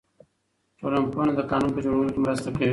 ټولنپوهنه د قانون په جوړولو کې مرسته کوي.